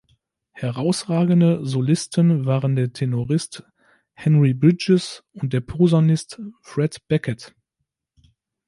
Herausragende Solisten waren der Tenorist Henry Bridges und der Posaunist Fred Beckett.